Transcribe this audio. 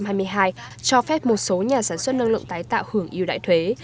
năm hai nghìn hai mươi hai cho phép một số nhà sản xuất năng lượng tái tạo hưởng yêu đại thuế